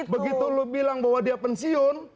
begitu lo bilang bahwa dia pensiun